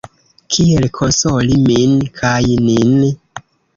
Kiel konsoli min kaj nin?